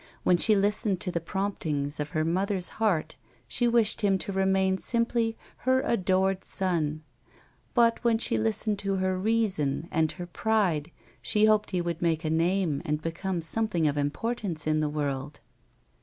"Win n she listened to the promijtings of her mother's heart, she wished him to remain simply her adored son ; but wlicn she listened to A WOMAN'S LIFE. 151 her reason and her pride she hoped he would make a name and become someone of importance in the world.